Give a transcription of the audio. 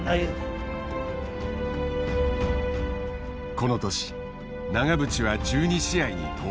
この年永淵は１２試合に登板。